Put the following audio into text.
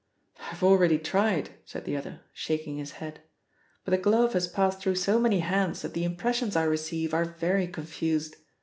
"I've already tried," said the other, shaking his head, "but the glove has passed through so many hands that the impressions I receive are very confused.